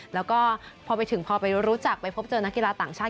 แล้วก็พอไปถึงพอไปรู้จักไปพบเจอนักกีฬาต่างชาติ